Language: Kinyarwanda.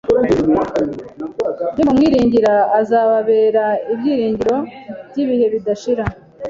nimumwiringira azababera ibyiringiro byibihe bidashira